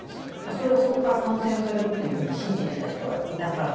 それはそこから感染するっていうふうに信じてた人がいたからなんですけど。